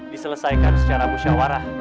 diselesaikan secara musyawarah